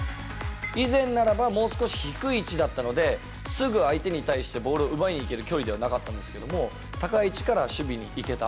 以前ならばもう少し低い位置だったので、すぐ相手に対してボールを奪いに行ける距離ではなかったんですけど、高い位置から守備に行けた。